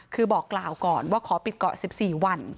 คือบอกกล่าวก่อนว่าขอปิดเกาะ๑๔วัน